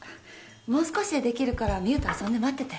もう少しで出来るから美雨と遊んで待ってて。